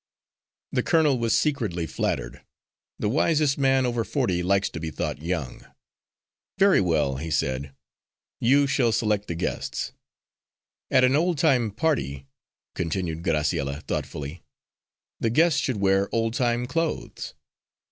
The colonel was secretly flattered. The wisest man over forty likes to be thought young. "Very well," he said, "you shall select the guests." "At an old time party," continued Graciella, thoughtfully, "the guests should wear old time clothes.